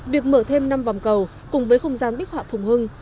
việc mở thêm năm vòng cầu cùng với không gian bích họa phùng hưng